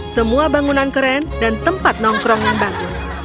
semua bangunan keren dan tempat nongkrong yang bagus